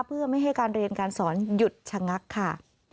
เพื่อไม่ให้การเรียนการสอนหยุดชะงักค่ะ